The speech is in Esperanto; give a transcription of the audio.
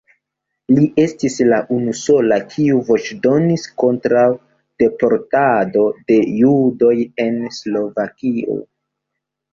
Li estis la unusola, kiu voĉdonis kontraŭ deportado de judoj en Slovakio.